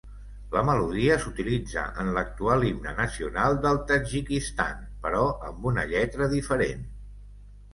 La melodia s'utilitza en l'actual himne nacional del Tadjikistan, però amb una lletra diferent.